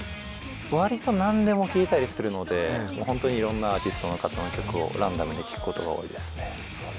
割と何でも聴いたりするので、いろんなアーティストの方の曲をランダムで聴くことが多いですね。